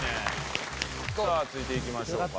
さあ続いていきましょうか。